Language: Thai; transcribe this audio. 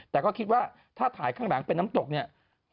แต่ก็คิดว่าถ้าถ่ายข้างหลังเป็นน้ำตกเนี่ย